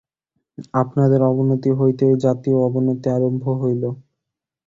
আপনাদের অবনতি হইতেই জাতীয় অবনতি আরম্ভ হইল।